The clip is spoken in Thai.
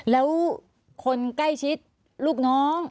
แล้วคนใกล้ชิดลูกน้อง